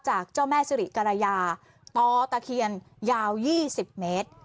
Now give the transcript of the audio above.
เจ้าแม่สิริกรยาต่อตะเคียนยาว๒๐เมตร